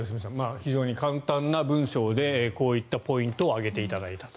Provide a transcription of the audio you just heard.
非常に簡単な文章でこういったポイントを挙げていただいたと。